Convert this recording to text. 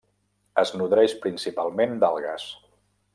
Es nodreix principalment d'algues.